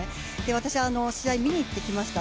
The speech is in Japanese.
私、試合見に行ってきました。